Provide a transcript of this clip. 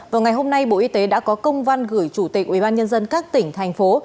vào ngày hôm nay bộ y tế đã có công văn gửi chủ tịch ubnd các tỉnh thành phố